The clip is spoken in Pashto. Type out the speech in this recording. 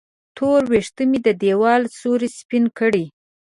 تور وېښته مې د دیوال سیورې سپین کړي